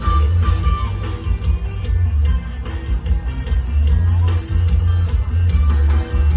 มันเป็นเมื่อไหร่แล้ว